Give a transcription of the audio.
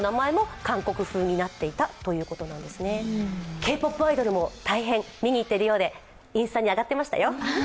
Ｋ−ＰＯＰアイドルも大変見に行っているようで、インスタに上がってましたよ。